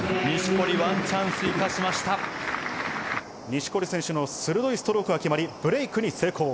錦織選手の鋭いストロークが決まり、ブレイクに成功。